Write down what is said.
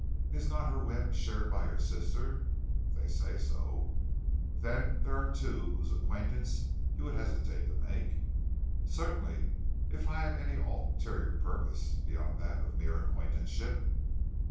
"Is not her whim shared by her sister?" "They say so." "Then there are two whose acquaintance you would hesitate to make?" "Certainly, if I had any ulterior purpose beyond that of mere acquaintanceship."